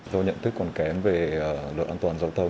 dù nhận thức còn kém về lựa an toàn giấu thờ